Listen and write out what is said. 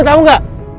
kamu tau gak